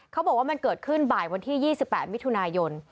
เขาบอกว่ามันเกิดขึ้นบ่ายวันที่๒๘มิถุนายน